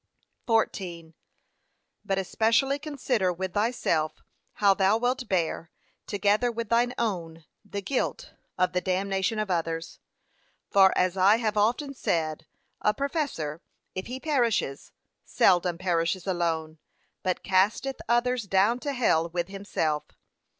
14. But especially consider with thyself how thou wilt bear, together with thine own, the guilt, of the damnation of others. For as I have often said, a professor, if he perishes, seldom perishes alone, but casteth others down to hell with himself.